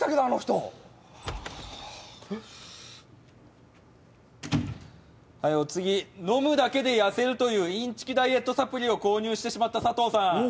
あの人はいお次飲むだけで痩せるというインチキダイエットサプリを購入してしまったサトウさん